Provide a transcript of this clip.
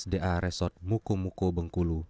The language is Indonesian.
sudah lima belas tahun bksda resort muko muko bengkulu